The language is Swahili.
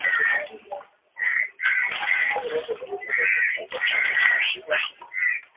Mwezi Mei, tarehe kumi na tano mwaka wa elfu moja mia tisa sitini na sita.